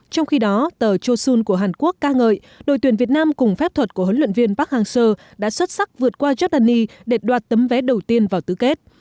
trong khi đó tờ chosun của hàn quốc ca ngợi đội tuyển việt nam cùng phép thuật của huấn luyện viên park hang seo đã xuất sắc vượt qua giordani để đoạt tấm vé đầu tiên vào tứ kết